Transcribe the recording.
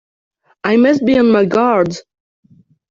I must be on my guard!